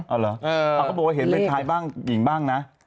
เอาเหรอเขาบอกว่าเห็นเป็นชายบ้างหญิงบ้างนะ